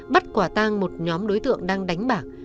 bắt quả tang một nhóm đối tượng đang đánh bạc